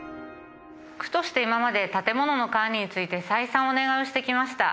区として今まで建物の管理について再三お願いをしてきました。